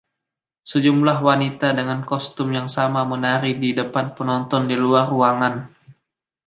Sejumlah wanita dengan kostum yang sama menari di depan penonton di luar ruangan.